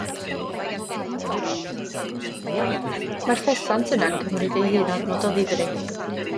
Mae'r ffesant yna yn cymryd ei hun ormod o ddifri.